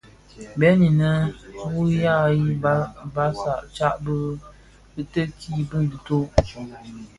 Bèè inë ù yaghii, baà tsad bi yô tikerike bì ntó.